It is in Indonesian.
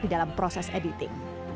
di dalam proses editing